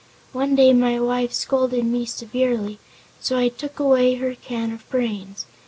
One day my wife scolded me severely, so I took away her can of brains.